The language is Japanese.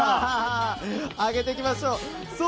上げていきましょう。